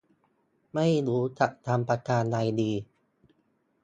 ไม่รู้จะทำประการใดดี